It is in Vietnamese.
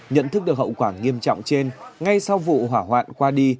nhận thức được hậu quả nghiêm trọng trên ngay sau vụ hỏa hoạn qua đi